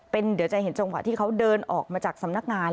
เดี๋ยวจะเห็นจังหวะที่เขาเดินออกมาจากสำนักงาน